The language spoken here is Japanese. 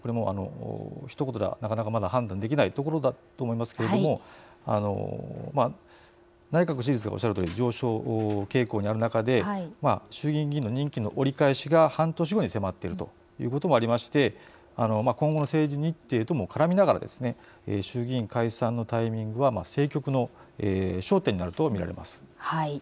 ひと言ではなかなか判断できないところだと思いますが内閣支持率が上昇傾向にある中で衆議院議員の任期の折り返しが半年後に迫っているということもありまして今後の政治日程とも絡みながら衆議院解散のタイミングは政局の焦点になると見られます。